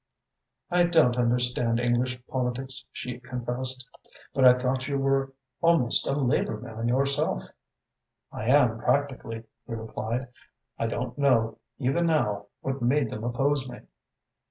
"I don't understand English politics," she confessed, "but I thought you were almost a Labour man yourself." "I am practically," he replied. "I don't know, even now, what made them oppose me."